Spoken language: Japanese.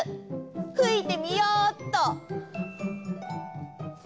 ふいてみようっと！